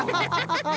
ハハハハ。